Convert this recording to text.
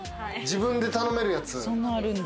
自分で頼めるやつ。